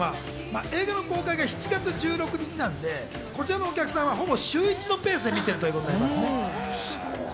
映画の公開が７月１６日なんで、こちらのお客さんはほぼ週一のペースで見ているということになりますね。